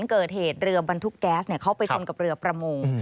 เกิดเหตุเรือบรรทุกแก๊สเข้าไปชนกับเรือประมง